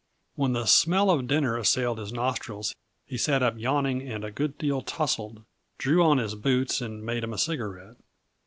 When the smell of dinner assailed his nostrils he sat up yawning and a good deal tousled, drew on his boots and made him a cigarette.